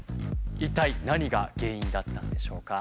一体何が原因だったんでしょうか？